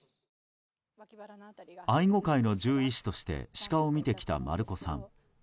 愛護会の獣医師としてシカを診てきた丸子さん。